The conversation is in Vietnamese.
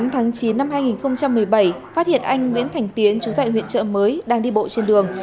tháng chín năm hai nghìn một mươi bảy phát hiện anh nguyễn thành tiến chú tại huyện trợ mới đang đi bộ trên đường